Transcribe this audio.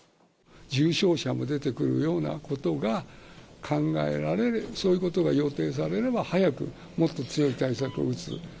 重症者も出てくるようなことが考えられ、そういうことが予想されれば、もっと早く強い対策を打つ。